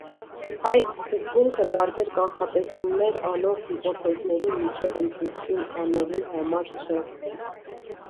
Այս սկզբունքը տարբեր կանխատեսումներ անող հիպոթեզների միջև ընտրություն անելու համար չէ։